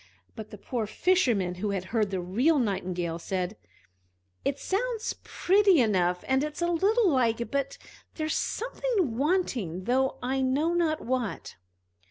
But the poor Fisherman, who had heard the real Nightingale, said: "It sounds pretty enough, and it's a little like, but there's something wanting, though I know not what!"